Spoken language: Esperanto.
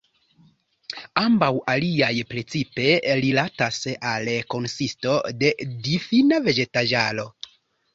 Ambaŭ aliaj precipe rilatas al konsisto de difinita vegetaĵaro.